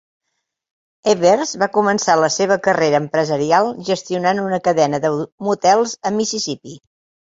Ebbers va començar la seva carrera empresarial gestionant una cadena de motels a Mississipí.